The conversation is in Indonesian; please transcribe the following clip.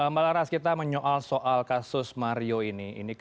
mbak laras kita menyoal soal kasus mario ini